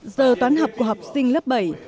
giờ toán học của học sinh lớp bảy